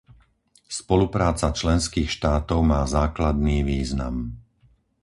Spolupráca členských štátov má základný význam.